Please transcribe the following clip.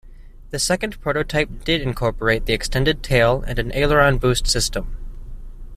The second prototype did incorporate the extended tail and an aileron boost system.